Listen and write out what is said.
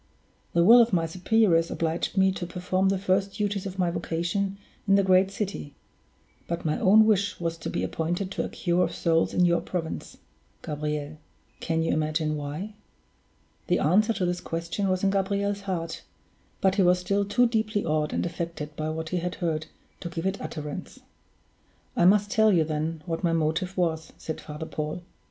The will of my superiors obliged me to perform the first duties of my vocation in the great city; but my own wish was to be appointed to a cure of souls in your province, Gabriel. Can you imagine why?" The answer to this question was in Gabriel's heart; but he was still too deeply awed and affected by what he had heard to give it utterance. "I must tell you, then, what my motive was," said Father Paul.